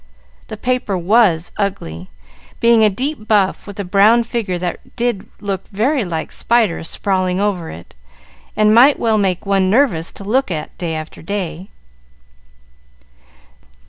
The paper was ugly, being a deep buff with a brown figure that did look very like spiders sprawling over it, and might well make one nervous to look at day after day.